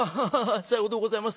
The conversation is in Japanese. さようでございますか。